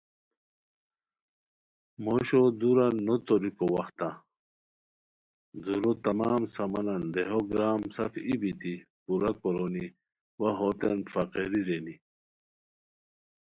موشو دُورہ نوریکو وختہ دُورو تمام سامانن دیہو گرام سف ای بیتی پورہ کورونی وا ہوتین فقری رینی